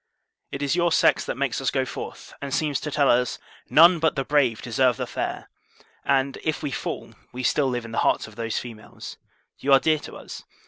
It is your sex that make us go forth; and seem to tell us "None but the brave deserve the fair!" and, if we fall, we still live in the hearts of those females. You are dear to us.